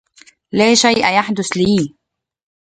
لا شيء يحدث لي!